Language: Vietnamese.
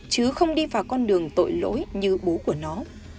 chứ không đi vào con đường tội lỗi như bố của nó